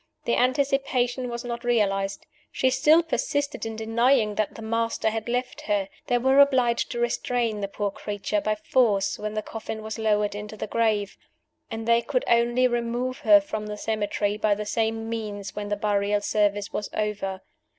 The anticipation was not realized; she still persisted in denying that "the Master" had left her. They were obliged to restrain the poor creature by force when the coffin was lowered into the grave; and they could only remove her from the cemetery by the same means when the burial service was over.